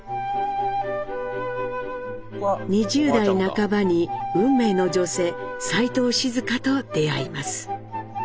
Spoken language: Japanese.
２０代半ばに運命の女性齋藤静香と出会います。